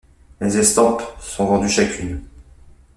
Les estampes sont vendues chacune.